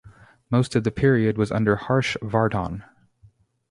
Most of the period was under Harsh Vardhan.